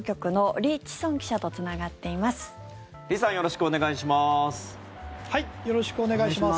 リさんよろしくお願いします。